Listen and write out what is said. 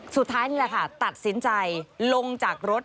สุดท้ายนี่แหละค่ะตัดสินใจลงจากรถ